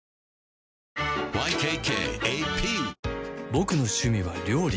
ボクの趣味は料理